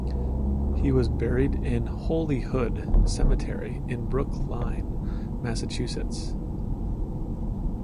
He was buried in Holyhood Cemetery in Brookline, Massachusetts.